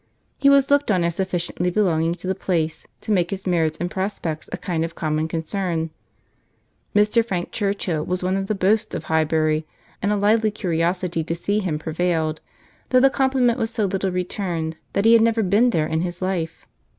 He was looked on as sufficiently belonging to the place to make his merits and prospects a kind of common concern. Mr. Frank Churchill was one of the boasts of Highbury, and a lively curiosity to see him prevailed, though the compliment was so little returned that he had never been there in his life.